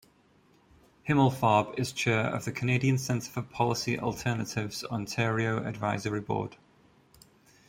Himelfarb is chair of the Canadian Centre for Policy Alternatives' Ontario Advisory Board.